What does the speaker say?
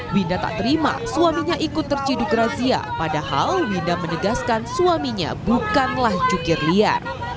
winda tak terima suaminya ikut terciduk razia padahal winda menegaskan suaminya bukanlah jukir liar